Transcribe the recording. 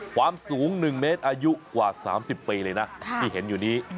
ความสูง๑เมตรอายุกว่า๓๐ปีเลยนะที่เห็นอยู่นี้